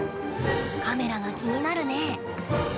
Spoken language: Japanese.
カメラが気になるね。